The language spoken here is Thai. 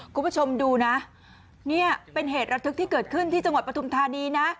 คุณผู้ชมดูนะเนี่ยเป็นเหตุระทึกที่เกิดขึ้นที่จังหวัดปฐุมธานีนะ